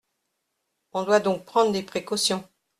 On doit donc prendre des précautions.